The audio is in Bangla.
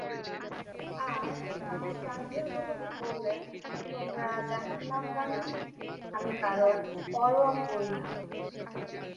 আর বাম কাঁধের গুলোকে বললেন, তোমরা জাহান্নামগামী, আমি কারো পরোয়া করি না।